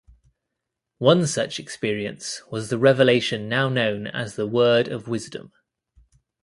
One such experience was the revelation now known as the Word of Wisdom.